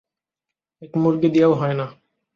এক মুরগি দিয়েও হয় না।